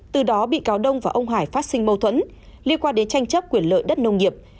từ đó bị cáo đông và ông hải phát sinh mâu thuẫn liên quan đến tranh chấp quyền lợi đất nông nghiệp